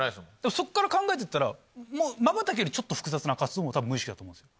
そっから考えてったらまばたきよりちょっと複雑な活動も多分無意識だと思うんですよ。